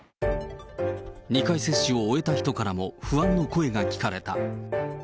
２回接種を終えた人からも不安の声が聞かれた。